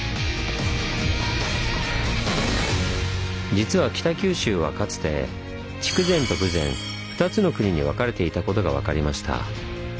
実は北九州はかつて筑前と豊前２つの国に分かれていたことが分かりました。